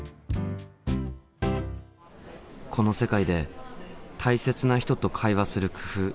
この世界で大切な人と会話する工夫あるのかな？